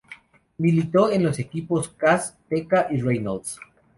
Militó en los equipos Kas, Teka y Reynolds.